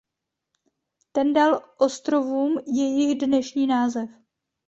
Ten dal ostrovům jejich dnešní název.